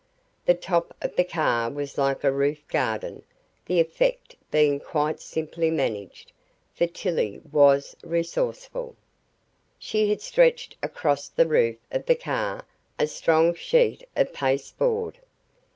The top of the car was like a roof garden, the effect being quite simply managed, for Tillie was resourceful. She had stretched across the roof of the car a strong sheet of pasteboard.